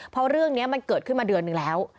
เพราะเรื่องนี้มันเกิดขึ้นมาเดือนนึงแล้ว